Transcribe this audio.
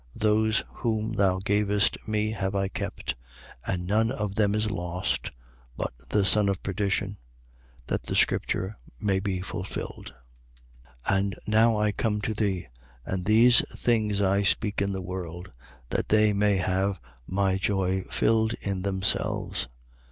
Those whom thou gavest me have I kept: and none of them is lost, but the son of perdition: that the scripture may be fulfilled. 17:13. And now I come to thee: and these things I speak in the world, that they may have my joy filled in themselves.